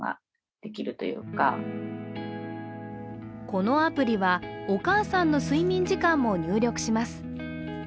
このアプリはお母さんの睡眠時間も入力します